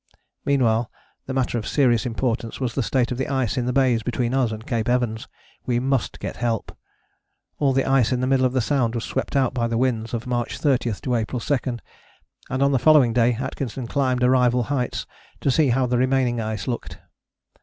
Meanwhile the matter of serious importance was the state of the ice in the bays between us and Cape Evans: we must get help. All the ice in the middle of the Sound was swept out by the winds of March 30 to April 2, and on the following day Atkinson climbed Arrival Heights to see how the remaining ice looked.